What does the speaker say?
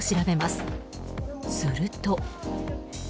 すると。